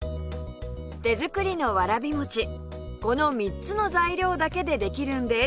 手作りのわらび餅この３つの材料だけでできるんです